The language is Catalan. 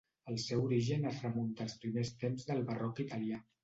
El seu origen es remunta als primers temps de barroc italià.